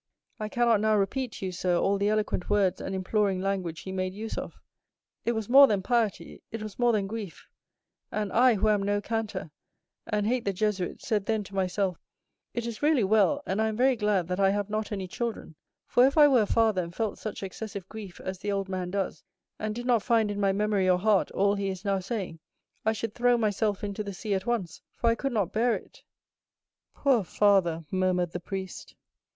I cannot now repeat to you, sir, all the eloquent words and imploring language he made use of; it was more than piety, it was more than grief, and I, who am no canter, and hate the Jesuits, said then to myself, 'It is really well, and I am very glad that I have not any children; for if I were a father and felt such excessive grief as the old man does, and did not find in my memory or heart all he is now saying, I should throw myself into the sea at once, for I could not bear it.'" "Poor father!" murmured the priest.